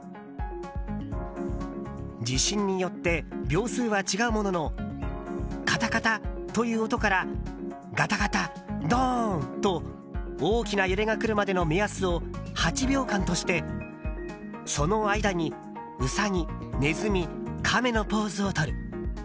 地震によって秒数は違うもののカタカタという音からガタガタ、ドーン！と大きな揺れが来るまでの目安を８秒間として、その間にうさぎ、ねずみかめのポーズをとる。